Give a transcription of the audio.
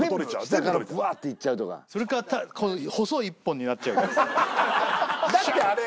下からブワッていっちゃうとかそれかこう細い１本になっちゃうかですねだってあれ